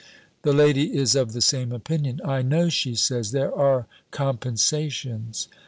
The lady is of the same opinion. "I know," she says, "there are compensations!